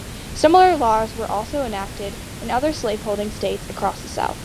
Similar laws were also enacted in other slave-holding states across the South.